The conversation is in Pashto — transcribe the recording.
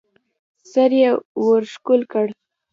سر يې ورښکل کړ.